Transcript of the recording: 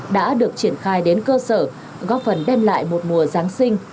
đã được triển khai đến cơ sở góp phần đem lại một mùa giáng sinh